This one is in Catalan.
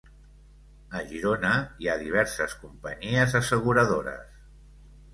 A Girona hi ha diverses companyies asseguradores.